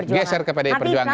geser ke pdi perjuangan